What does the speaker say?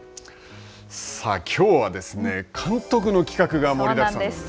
さあ、きょうはですね、監督の企画が盛りだくさんなんです。